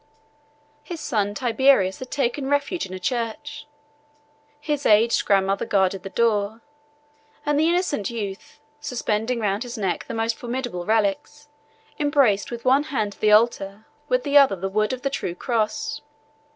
His son Tiberius had taken refuge in a church; his aged grandmother guarded the door; and the innocent youth, suspending round his neck the most formidable relics, embraced with one hand the altar, with the other the wood of the true cross.